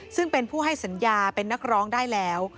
ซึ่งเป็นผู้ให้สัญญาเป็นนักร้องได้แล้ว